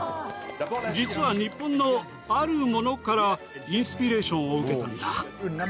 実は日本のあるものからインスピレーションを受けたんだ。